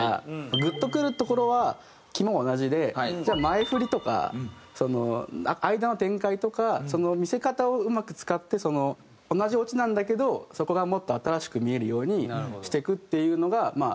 グッとくるところは肝は同じでじゃあ前フリとか間の展開とか見せ方をうまく使って同じオチなんだけどそこがもっと新しく見えるようにしていくっていうのがまあ